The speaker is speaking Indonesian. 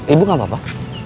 ibu apa kabar